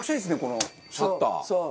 このシャッター。